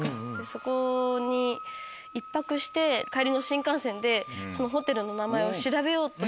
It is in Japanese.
そこに１泊して帰りの新幹線でそのホテルの名前を調べようとして。